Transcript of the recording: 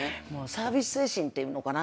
サービス精神っていうのかな？